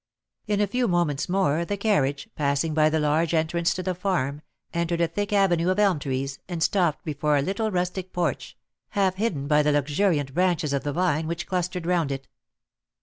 In a few moments more, the carriage, passing by the large entrance to the farm, entered a thick avenue of elm trees, and stopped before a little rustic porch, half hidden by the luxuriant branches of the vine which clustered round it.